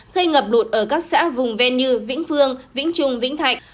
gây ngập lụt ở các xã vùng ven như vĩnh phương vĩnh trung vĩnh thạnh